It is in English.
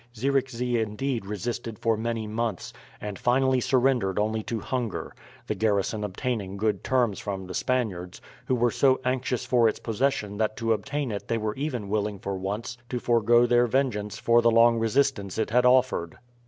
Zierickzee indeed resisted for many months, and finally surrendered only to hunger; the garrison obtaining good terms from the Spaniards, who were so anxious for its possession that to obtain it they were even willing for once to forego their vengeance for the long resistance it had offered.